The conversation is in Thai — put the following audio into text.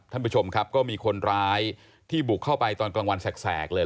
ท่านผู้ชมครับก็มีคนร้ายที่บุกเข้าไปตอนกลางวันแสกเลย